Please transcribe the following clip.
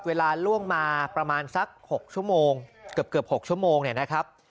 เวลาล่วงมาประมาณสัก๖ชั่วโมงเกือบ๖ชั่วโมงเนี่ยนะครับ